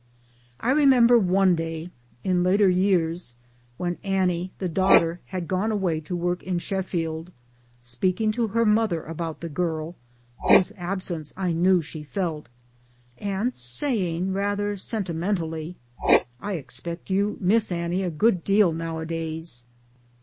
I remember one day in later years when Annie, the daughter, had gone away to work in Sheffield speaking to her mother about the girl (whose absence I knew she felt) and saying; rather sentimentally, " I expect you miss Annie a good deal nowadays."